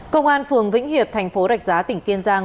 công an phường vĩnh hiệp thành phố rạch giá tỉnh kiên giang